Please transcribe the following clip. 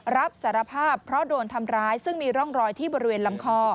รับสารภาพเพราะโดนทำร้ายซึ่งมีร่องรอยที่บริเวณลำคอ